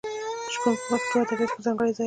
شپون په پښتو ادبیاتو کې ځانګړی ځای لري.